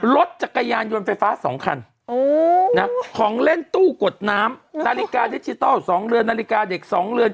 รถจักรยานยนต์ไฟฟ้า๒คันของเล่นตู้กดน้ำนาฬิกาดิจิทัล๒เรือนนาฬิกาเด็ก๒เรือน